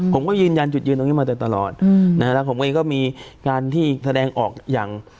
ผมก็ยืนยันจุดยืนตรงนี้มาแต่ตลอดนะฮะแล้วผมเองก็มีการที่แสดงออกอย่าง